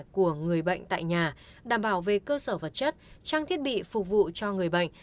của người bệnh tại nhà đảm bảo về cơ sở vật chất trang thiết bị phục vụ cho người bệnh